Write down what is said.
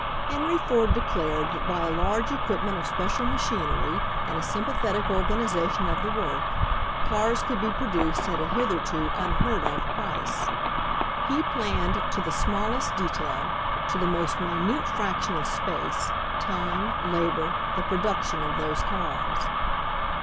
Henry Ford declared that by a large equipment of special machinery and a sympa thetic organization of the work, cars could be produced at a hitherto unheard of price. He planned to the smallest detail, to the most minute fraction of space, time, labor, the production of those cars.